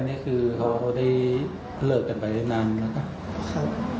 อายุ๔ขวบครับ๔ขวบแล้วเขายังไปดูลูกอยู่ทุกวัน